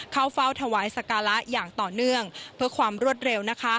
เข้าเฝ้าถวายสการะอย่างต่อเนื่องเพื่อความรวดเร็วนะคะ